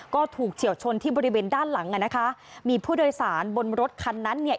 ก็ถูกเฉียวชนที่บริเวณด้านหลังอ่ะนะคะมีผู้โดยสารบนรถคันนั้นเนี่ย